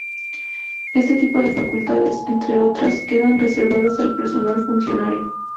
Este tipo de facultades, entre otras, quedan reservadas al personal funcionario.